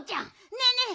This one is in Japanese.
ねえねえ